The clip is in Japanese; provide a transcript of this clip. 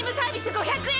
５００円！